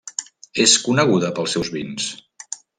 És coneguda pels seus vins.